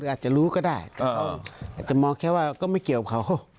อาจจะรู้ก็ได้แต่เขาอาจจะมองแค่ว่าก็ไม่เกี่ยวกับเขา